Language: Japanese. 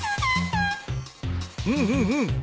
うんうんうん。